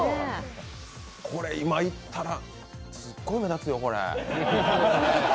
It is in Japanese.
これ、今いったら、すごい目立つよ。